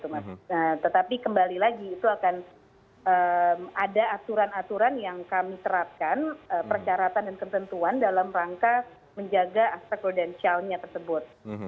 nah tetapi kembali lagi itu akan ada aturan aturan yang kami terapkan persyaratan dan ketentuan dalam rangka menjaga aspek prudensialnya tersebut